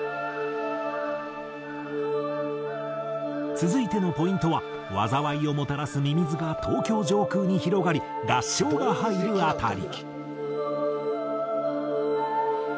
続いてのポイントは災いをもたらすミミズが東京上空に広がり合唱が入る辺り。